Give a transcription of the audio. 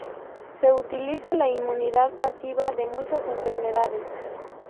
Se utiliza la inmunidad pasiva de muchas enfermedades.